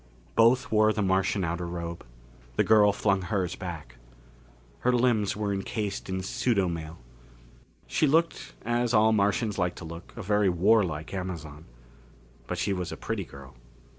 Both wore the Martian outer robe. The girl flung hers back. Her limbs were encased in pseudomail. She looked, as all Martians like to look, a very warlike Amazon. But she was a pretty girl.